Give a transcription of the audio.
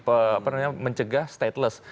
apa namanya mencegah stateless